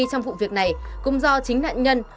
trong vụ việc này cũng do chính nạn nhân